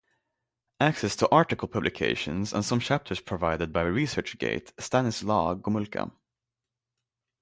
Access to article publications and some chapters provided by ResearchGate, Stanislaw Gomulka.